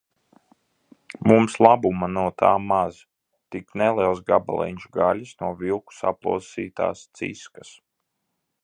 Mums labuma no tā maz, tik neliels gabaliņš gaļas no vilku saplosītās ciskas.